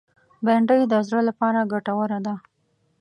بېنډۍ د زړه لپاره ګټوره ده